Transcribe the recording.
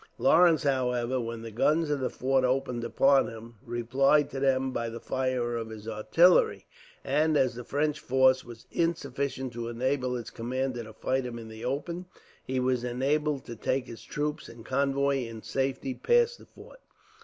Lawrence, however, when the guns of the fort opened upon him, replied to them by the fire of his artillery; and, as the French force was insufficient to enable its commander to fight him in the open, he was enabled to take his troops and convoy in safety past the fort.